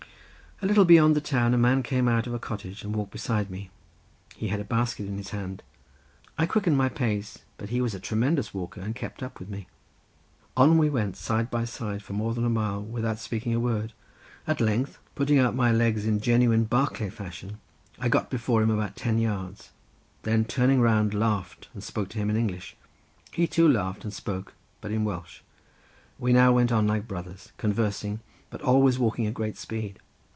A little way beyond the town a man came out of a cottage and walked beside me. He had a basket in his hand. I quickened my pace; but he was a tremendous walker, and kept up with me. On we went side by side for more than a mile without speaking a word. At length, putting out my legs in genuine Barclay fashion, I got before him about ten yards, then turning round laughed and spoke to him in English. He too laughed and spoke, but in Welsh. We now went on like brothers, conversing, but always walking at great speed.